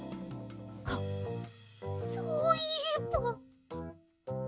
はっそういえば。